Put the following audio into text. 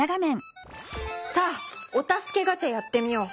さあお助けガチャやってみよう！